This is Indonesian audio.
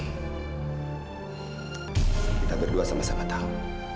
kita berdua sama sama tahu